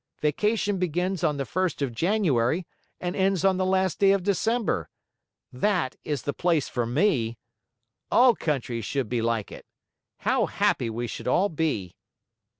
Vacation begins on the first of January and ends on the last day of December. That is the place for me! All countries should be like it! How happy we should all be!"